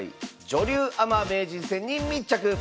女流アマ名人戦に密着！